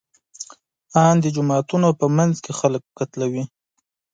ان د جوماتونو په منځ کې خلک قتلوي.